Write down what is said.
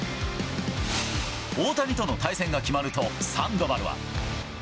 大谷との対戦が決まると、サンドバルは。